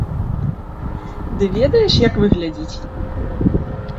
Ды ведаеш, як выглядзіць?